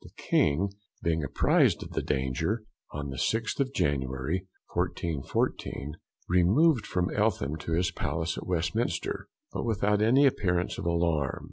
The King being apprised of the danger, on the 6th of January, 1414, removed from Eltham to his palace at Westminster, but without any appearance of alarm.